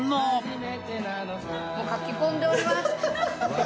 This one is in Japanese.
もうかき込んでおります！